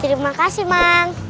terima kasih mang